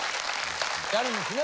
やるんですね